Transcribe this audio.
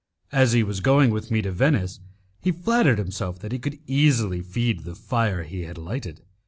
As he was going with me to Venice, he flattered himself that he could easily feed the fire he had lighted.